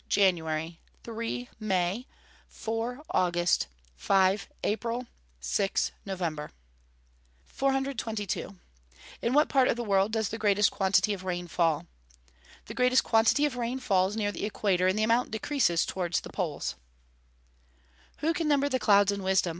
January. 3. May. 4. August. 5. April. 6. November. 422. In what part of the world does the greatest quantity of rain fall? The greatest quantity of rain falls near the equator, and the amount decreases towards the poles. [Verse: "Who can number the clouds in wisdom?